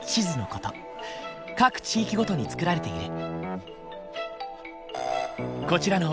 各地域ごとに作られている。